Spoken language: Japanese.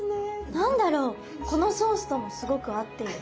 何だろうこのソースともすごく合っていて。